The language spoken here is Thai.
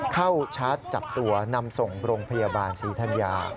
เข้าชัดจับตัวนำส่งโรงพยาบาลศรีธรรยา